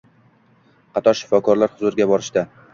Qator shifokorlar huzuriga borishdi